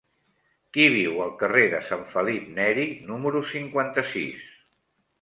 Qui viu al carrer de Sant Felip Neri número cinquanta-sis?